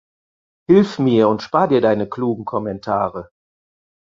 Hilf mir oder spar dir deine klugen Kommentare!